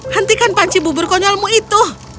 hentikan panci bubur konyolmu itu